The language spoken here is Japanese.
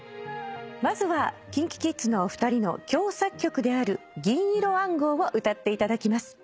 まずはＫｉｎＫｉＫｉｄｓのお二人の共作曲である『銀色暗号』を歌っていただきます。